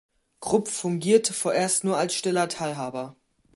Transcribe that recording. Krupp fungierte vorerst nur als stiller Teilhaber.